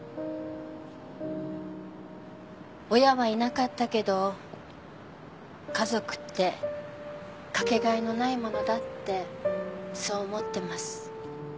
親はいなかったけど家族って掛け替えのないものだってそう思ってます。